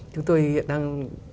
chúng tôi hiện đang